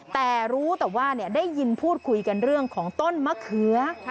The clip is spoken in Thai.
แต่รู้แต่ว่าได้ยินพูดคุยกันเรื่องของต้นมะเขือ